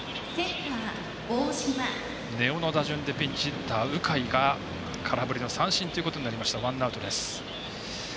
根尾の打順でピンチヒッター、鵜飼が空振り三振ということになりました、ワンアウト。